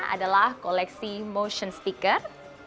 adalah koleksi motion speaker